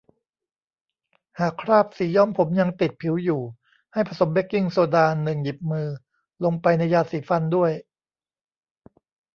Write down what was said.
หากคราบสีย้อมผมยังติดผิวอยู่ ให้ผสมเบกกิ้งโซดา หนึ่ง หยิบมือ ลงไปในยาสีฟันด้วย